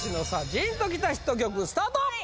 ジーンときたヒット曲スタート！